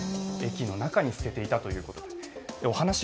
駅の中に捨てていたということです。